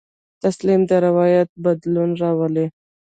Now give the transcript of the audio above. تسلیم د روایت بدلون راولي.